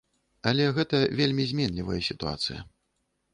Але гэта вельмі зменлівая сітуацыя.